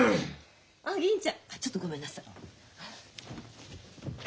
あっ銀ちゃん。ちょっとごめんなさい。